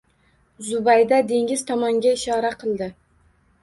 Zubayda dengiz tomonga ishora qildi